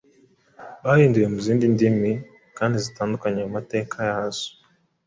bahinduye mu zindi ndimi, kandi zitandukanye mu mateka yazo.